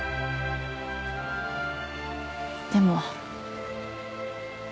でも。